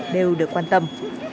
rất là yên tâm